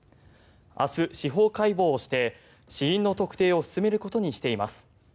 明日、司法解剖をして死因の特定を進めることにしています。